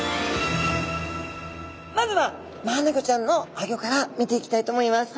まずはマアナゴちゃんのアギョから見ていきたいと思います。